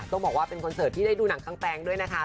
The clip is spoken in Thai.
ต้องบอกว่าเป็นคอนเสิร์ตที่ได้ดูหนังคางแปลงด้วยนะคะ